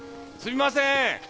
すみません